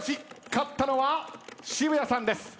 勝ったのは渋谷さんです。